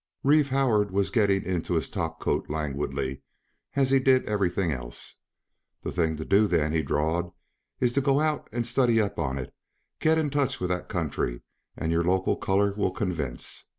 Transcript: Reeve Howard was getting into his topcoat languidly, as he did everything else. "The thing to do, then," he drawled, "is to go out and study up on it. Get in touch with that country, and your local color will convince.